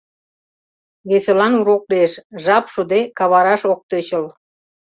Весылан урок лиеш — жап шуде кавараш ок тӧчыл.